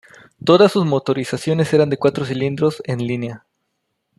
Todas sus motorizaciones eran de cuatro cilindros en línea.